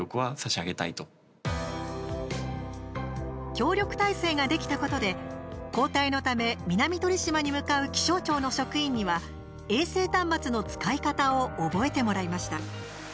協力態勢ができたことで交代のため南鳥島に向かう気象庁の職員には衛星端末の使い方を覚えてもらいました。